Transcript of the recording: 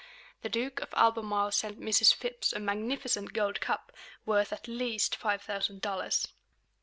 The Duke of Albemarle sent Mrs. Phips a magnificent gold cup, worth at least five thousand dollars.